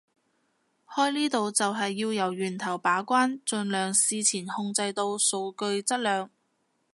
開呢度就係要由源頭把關盡量事前控制到數據質量